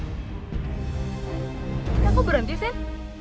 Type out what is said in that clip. kenapa berhenti sen